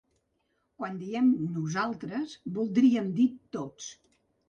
Quan diem nosaltres, voldríem dir tots.